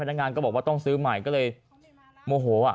นักงานก็บอกว่าต้องซื้อใหม่ก็เลยโมโห